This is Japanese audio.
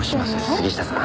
杉下さん。